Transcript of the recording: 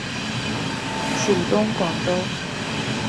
属东广州。